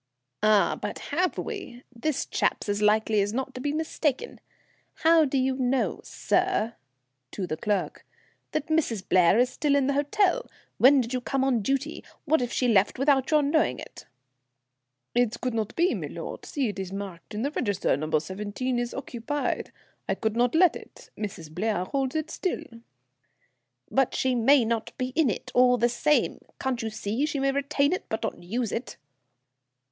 "Ah! but have we? This chap's as likely as not to be mistaken. How do you know, sir," to the clerk, "that Mrs. Blair is still in the hotel? When did you come on duty? What if she left without your knowing it?" "It could not be, milord. See, it is marked in the register. No. 17 is occupied. I could not let it. Mrs. Blair holds it still." "But she may not be in it, all the same. Can't you see? She may retain it, but not use it."